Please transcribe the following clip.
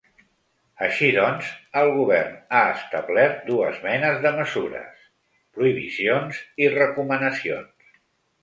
Així doncs, el govern ha establert dues menes de mesures: prohibicions i recomanacions.